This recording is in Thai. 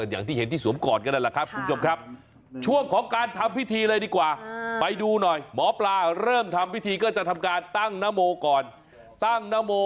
อย่างที่เห็นที่สวมก่อนก็ได้แหละครับคุณผู้ชมครับ